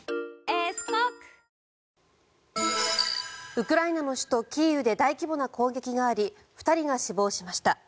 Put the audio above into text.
ウクライナの首都キーウで大規模な攻撃があり２人が死亡しました。